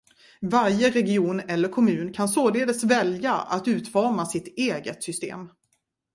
Varje region eller kommun kan således välja att utforma sitt eget system.